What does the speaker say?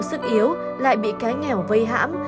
cô sức yếu lại bị cái nghèo vây hãm